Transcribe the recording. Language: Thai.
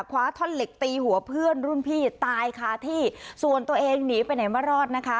คว้าท่อนเหล็กตีหัวเพื่อนรุ่นพี่ตายคาที่ส่วนตัวเองหนีไปไหนไม่รอดนะคะ